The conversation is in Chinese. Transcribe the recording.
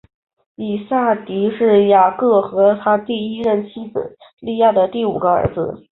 以萨迦是雅各和他第一任妻子利亚的第五个儿子。